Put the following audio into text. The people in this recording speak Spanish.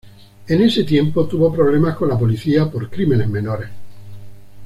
En ese tiempo tuvo problemas con la policía por crímenes menores.